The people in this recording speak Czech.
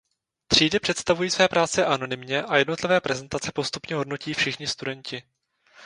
Třídy představují své práce anonymně a jednotlivé prezentace postupně hodnotí všichni studenti.